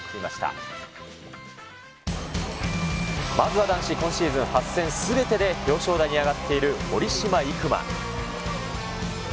まずは男子、今シーズン８戦すべてで表彰台に上がっている堀島行真。